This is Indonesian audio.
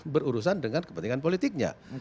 berurusan dengan kepentingan politiknya